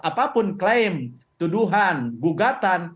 apapun klaim tuduhan gugatan